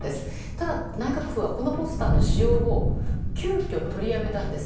ただ、内閣府はこのポスターの使用を急きょ取りやめたんです。